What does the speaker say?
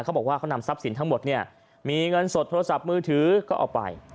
เขาบอกว่าเขานำทรัพย์สินทั้งหมดเนี่ยมีเงินสดโทรศัพท์มือถือก็เอาไป